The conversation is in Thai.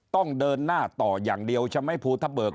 ต้องเดินหน้าต่ออย่างเดียวใช่ไหมภูทะเบิก